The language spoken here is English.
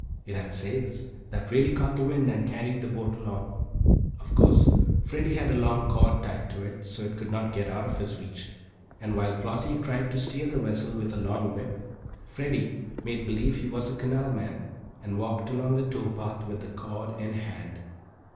It had sails, that really caught the wind, and carried the boat along. Of course Freddie had a long cord tied to it, so it could not get out of his reach, and while Flossie tried to steer the vessel with a long whip, Freddie made believe he was a canal man, and walked along the tow path with the cord in hand.